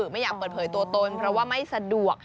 ไม่อยากเปิดเผยตัวตนเพราะว่าไม่สะดวก